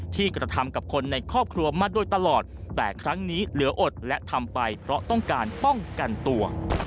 กระทำกับคนในครอบครัวมาโดยตลอดแต่ครั้งนี้เหลืออดและทำไปเพราะต้องการป้องกันตัว